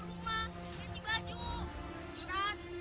universitas yang turun